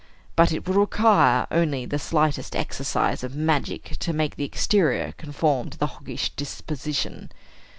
But it will require only the slightest exercise of magic to make the exterior conform to the hoggish disposition.